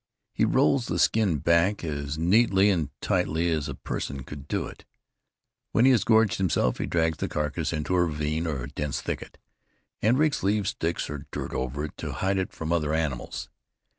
He rolls the skin back as neatly and tightly as a person could do it. When he has gorged himself, he drags the carcass into a ravine or dense thicket, and rakes leaves, sticks or dirt over it to hide it from other animals.